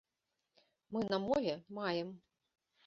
Мы на мове маем.